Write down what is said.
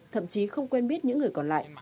thậm chí không quen biết những người còn lại